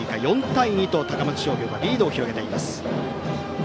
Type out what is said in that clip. ４対２と高松商業がリードを広げています。